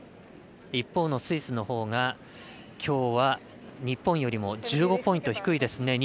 一方のスイスのほうがきょうは日本よりも１５ポイント低いですね。